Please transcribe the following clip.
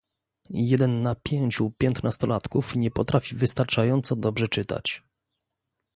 Jeden na pięciu piętnastolatków nie potrafi wystarczająco dobrze czytać